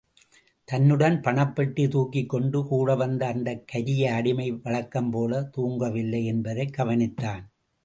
தன்னுடன், பணப்பெட்டி தூக்கிக்கொண்டு கூட வந்த அந்தக் கரிய அடிமை வழக்கம்போலத் தூங்கவில்லை என்பதைக் கவனித்தான்.